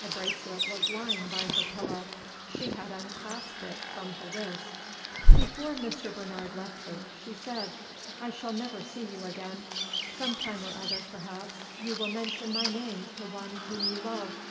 A bracelet was lying by her pillow; she had unclasped it from her wrist. Before Mr. Bernard left her, she said, "I shall never see you again. Some time or other, perhaps, you will mention my name to one whom you love.